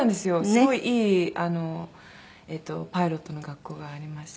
すごいいいパイロットの学校がありまして。